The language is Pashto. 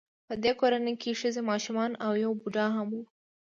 په دې کورنۍ کې ښځې ماشومان او یو بوډا هم و